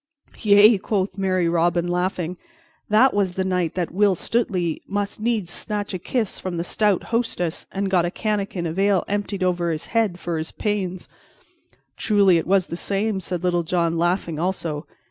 "Yea," quoth merry Robin, laughing, "that was the night that Will Stutely must needs snatch a kiss from the stout hostess, and got a canakin of ale emptied over his head for his pains." "Truly, it was the same," said Little John, laughing also.